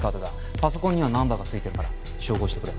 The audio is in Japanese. パソコンにはナンバーがついてるから照合してくれ。